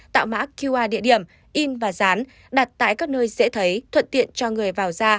tạo mã qr địa điểm in và dán đặt tại các nơi dễ thấy thuận tiện cho người vào ra